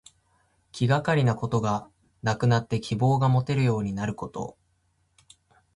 気がかりなことがなくなって希望がもてるようになること。